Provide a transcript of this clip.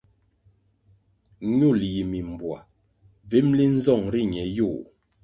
Ñul yi mimbuwah bvimli nzong ri ñe yôh.